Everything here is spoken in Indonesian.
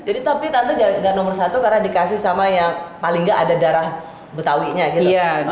jadi tapi tante dan nomor satu karena dikasih sama yang paling nggak ada darah butawinya gitu